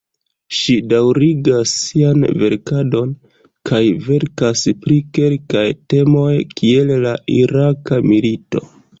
Ŝi daŭrigas sian verkadon kaj verkas pri kelkaj temoj, kiel la Iraka milito.